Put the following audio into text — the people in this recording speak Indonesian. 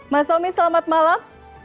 mas tommy selamat malam